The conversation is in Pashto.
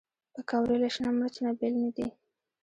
پکورې له شنه مرچ نه بېل نه دي